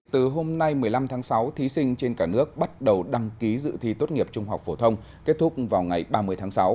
từ hôm nay một mươi năm tháng sáu thí sinh trên cả nước bắt đầu đăng ký dự thi tốt nghiệp trung học phổ thông kết thúc vào ngày ba mươi tháng sáu